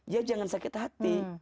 ya jangan sakit hati